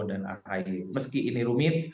dan ahaya meski ini rumit